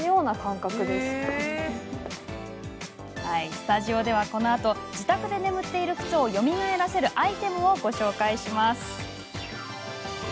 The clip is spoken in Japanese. スタジオでは、このあと自宅で眠っている靴をよみがえらせるアイテムをご紹介します。